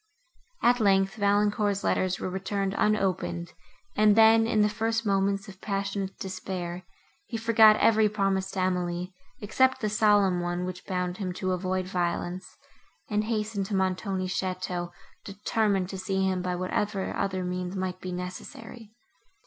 At length, Valancourt's letters were returned unopened, and then, in the first moments of passionate despair, he forgot every promise to Emily, except the solemn one, which bound him to avoid violence, and hastened to Montoni's château, determined to see him by whatever other means might be necessary.